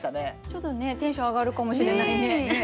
ちょっとねテンション上がるかもしれないね。